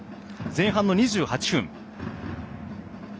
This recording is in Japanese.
前半２８分。